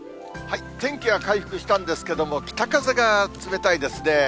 天気は回復したんですけれども、北風が冷たいですね。